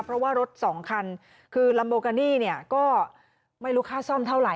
เพราะว่ารถ๒คันคือลัมโบกินี่ก็ไม่รู้ค่าซ่อนเท่าไหร่